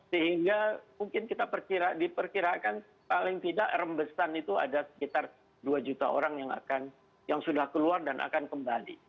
sehingga mungkin kita diperkirakan paling tidak rembesan itu ada sekitar dua juta orang yang sudah keluar dan akan kembali